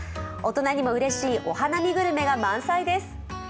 大人にもうれしいお花見グルメが満載です。